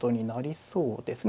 そうですね。